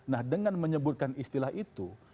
nah dengan menyebutkan istilah itu